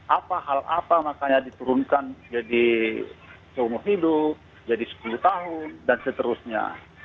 apa hal apa makanya diturunkan jadi seumur hidup jadi sepuluh tahun dan seterusnya